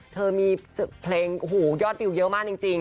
เธอมีเพลงหูยอดบิวเยอะมากจริง